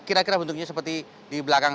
kira kira bentuknya seperti di belakang